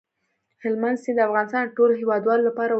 هلمند سیند د افغانستان د ټولو هیوادوالو لپاره ویاړ دی.